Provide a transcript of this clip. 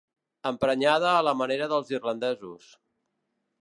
Emprenyada a la manera dels irlandesos.